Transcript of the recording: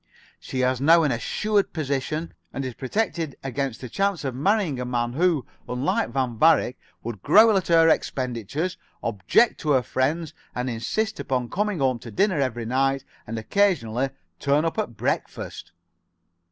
She has now an assured position, and is protected against the chance of marrying a man who, unlike Van Varick, would growl at her expenditures, object to her friends, and insist upon coming home to dinner every night, and occasionally turn up at breakfast."